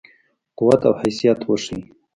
قوت او حیثیت وښيي.